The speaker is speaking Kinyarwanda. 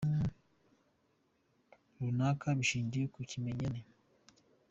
runaka bishingira ku kimenyane.